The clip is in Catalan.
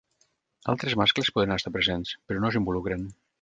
Altres mascles poden estar presents, però no s'involucren.